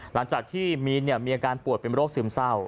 หลังจากที่มีนมีอาการปวดเป็นโรคซึมเศร้า